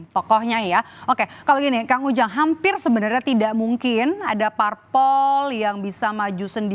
tokohnya ya oke kalau gini kang ujang hampir sebenarnya tidak mungkin ada parpol yang bisa maju sendiri